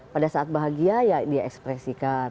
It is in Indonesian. pada saat bahagia ya dia ekspresikan